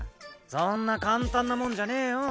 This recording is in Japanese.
そんな簡単なもんじゃねえよ。